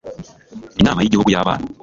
inama y igihugu y'abana